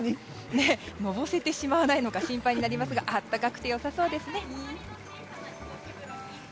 のぼせてしまわないのか心配になりますが温かくてよさそうですね。